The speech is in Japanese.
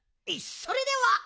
それでは！